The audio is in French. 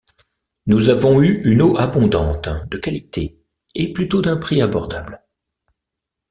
Nous avons une eau abondante, de qualité, et plutôt d’un prix abordable.